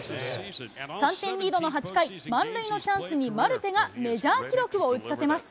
３点リードの８回、満塁のチャンスに、マルテがメジャー記録を打ち立てます。